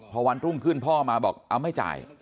พอวันรุ่งขึ้นพ่อมาบอกเอาไม่จ่าย